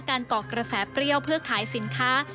เกาะกระแสเปรี้ยวเพื่อขายสินค้า